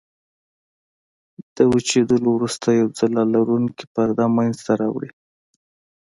له وچېدلو وروسته یوه ځلا لرونکې پرده منځته راوړي.